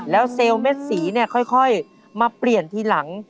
แล้วเซลเม็ดสีค่อยมาเปลี่ยนทีหลัง